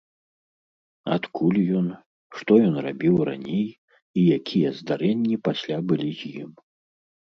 Адкуль ён, што ён рабіў раней і якія здарэнні пасля былі з ім?